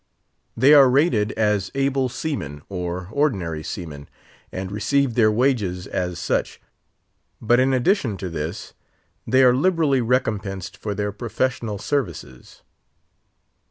They are rated as able seamen or ordinary seamen, and receive their wages as such; but in addition to this, they are liberally recompensed for their professional services.